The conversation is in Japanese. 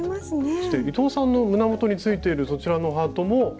そして伊藤さんの胸元についているそちらのハートも。